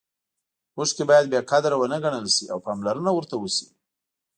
اوښکې باید بې قدره ونه ګڼل شي او پاملرنه ورته وشي.